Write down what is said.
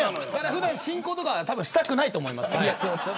普段、進行とかしたくないと思います。